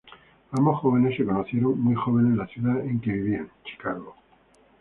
Ambos se conocieron muy jóvenes en la ciudad en que vivían, Chicago.